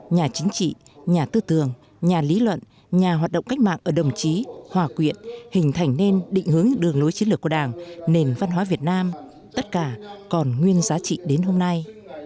nhà chính trị nhà tư tường nhà lý luận nhà hoạt động cách mạng ở đồng chí hòa quyện hình thành nên định hướng đường lối chiến lược của đảng nền văn hóa việt nam tất cả còn nguyên giá trị đến hôm nay